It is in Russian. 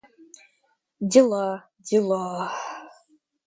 Дела, дела!